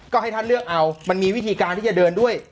ก็ให้ท่านเลือกเอามันมีวิธีการที่จะเดินด้วย